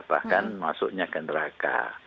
bahkan masuknya ke neraka